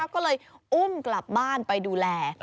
ก็เลยอุ้มกลับบ้านไปดูแล